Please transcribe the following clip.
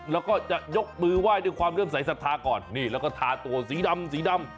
แล้วก็จะยกมือไหว้ด้วยความเริ่มสายศรัทธาก่อนนี่แล้วก็ทาตัวสีดำสีดำ